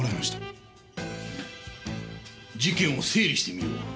事件を整理してみよう。